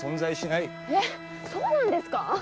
えっそうなんですかあ？